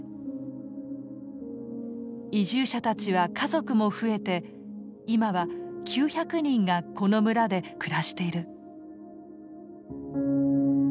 移住者たちは家族も増えて今は９００人がこの村で暮らしている。